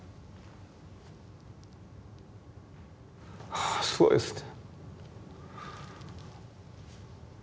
はあすごいですね。